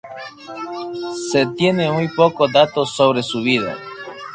Se tienen muy poco datos sobre su vida.